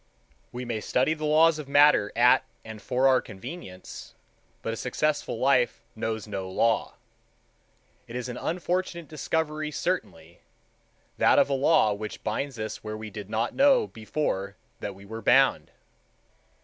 We may study the laws of matter at and for our convenience, but a successful life knows no law. It is an unfortunate discovery certainly, that of a law which binds us where we did not know before that we were bound.